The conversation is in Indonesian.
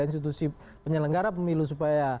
institusi penyelenggara pemilu supaya